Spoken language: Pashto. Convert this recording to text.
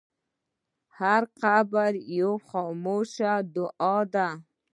هر قبر یوه خاموشه دعا ده.